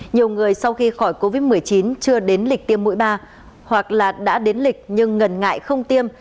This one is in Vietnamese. nhiều người sau khi khỏi covid một mươi chín chưa đến lịch tiêm mũi ba hoặc là đã đến lịch nhưng ngần ngại không tiêm